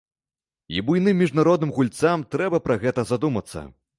І буйным міжнародным гульцам трэба пра гэта задумацца.